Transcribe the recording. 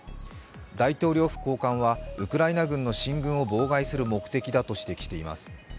大統領府高官はウクライナ軍の進軍を妨害する目的だと指摘しています。